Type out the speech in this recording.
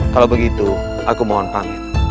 kalau begitu aku mohon pamit